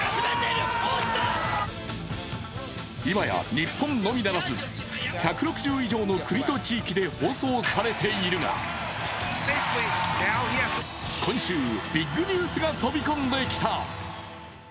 今や日本のみならず１６０以上の国と地域で放送されているが、今週、ビッグニュースが飛び込んできた。